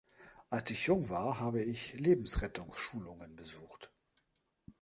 Als ich jung war, habe ich Lebensrettungsschulungen besucht.